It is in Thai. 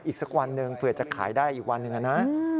อีกสักวันหนึ่งเผื่อจะขายได้อีกวันหนึ่งนะ